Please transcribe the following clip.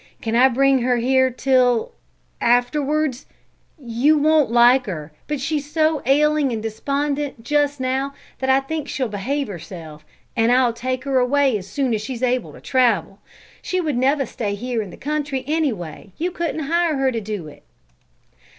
Can I bring her here till afterwards? You won't like her, but she's so ailing and despondent just now that I think she'll behave herself, and I'll take her away as soon as she's able to travel. She would never stay here in the country, anyway; you couldn't hire her to do it."